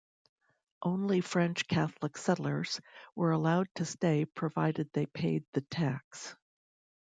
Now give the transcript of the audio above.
Only French Catholic settlers were allowed to stay provided they paid the tax.